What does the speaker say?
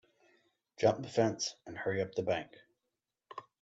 Jump the fence and hurry up the bank.